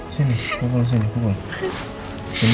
sini pukul sini